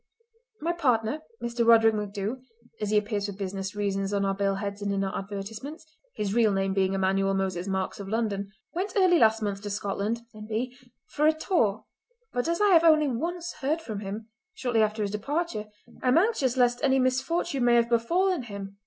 My partner, Mr. Roderick MacDhu—as he appears for business reasons on our bill heads and in our advertisements, his real name being Emmanuel Moses Marks of London—went early last month to Scotland (N.B.) for a tour, but as I have only once heard from him, shortly after his departure, I am anxious lest any misfortune may have befallen him.